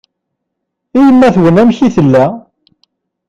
I yemma-twen amek i tella?